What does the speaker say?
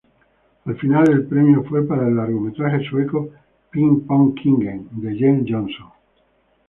Al final el premio fue para el largometraje sueco "Ping-pongkingen" de Jens Jonsson.